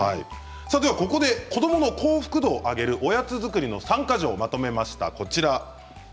ここで子どもの幸福度を上げるおやつ作りの３か条をまとめました。